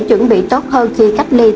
chuẩn bị tốt hơn khi cách ly tại nhà